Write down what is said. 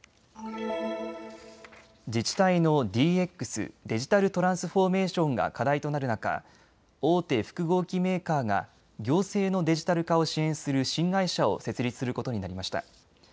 自治体のＤＸ・デジタルトランスフォーメーションが課題となる中、大手複合機メーカーが行政のデジタル化を支援する新会社を設立することになりました。